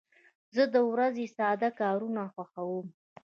زه د ورځې ساده کارونه خوښوم.